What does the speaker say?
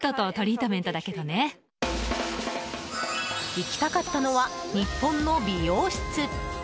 行きたかったのは日本の美容室。